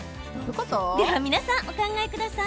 では皆さん、お考えください。